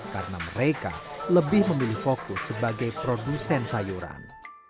karena mereka lebih memilih fokus sebagai produsen sayuran